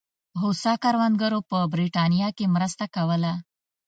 هوسا کروندګرو په برېټانیا کې مرسته کوله.